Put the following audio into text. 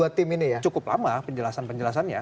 ya memang cukup lama penjelasan penjelasannya